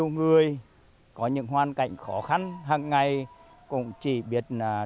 cụ được trung tâm từ tiện thiên ân đón nhận về chăm sóc các cụ